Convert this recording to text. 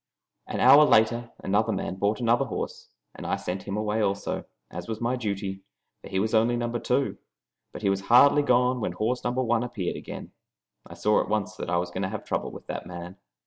An hour later another man brought another horse, and I sent him away also, as was my duty, for he was only number two; but he was hardly gone when horse number one appeared again. I saw at once that I was going to have trouble with that man.